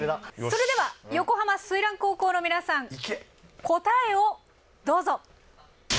それでは横浜翠嵐高校の皆さん答えをどうぞ。